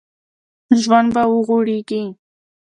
ژوند به وغوړېږي